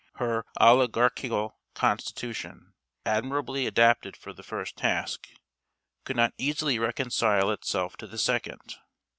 Her oligarchical constitution, admirably adapted for the first task, could not easily reconcile itself to the second.